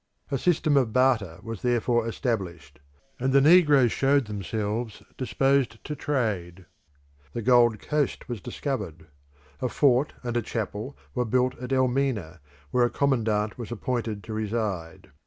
A system of barter was therefore established, and the negroes showed themselves disposed to trade. The Gold Coast was discovered: a fort and a chapel were built at Elmina, where a commandant was appointed to reside.